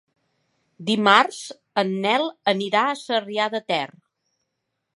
Dimarts en Nel anirà a Sarrià de Ter.